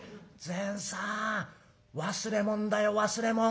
「善さん忘れ物だよ忘れ物。